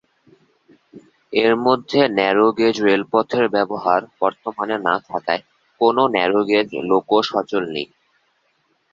এর মধ্যে ন্যারো-গেজ রেলপথের ব্যবহার বর্তমানে না থাকায় কোনো ন্যারো-গেজ লোকো সচল নেই।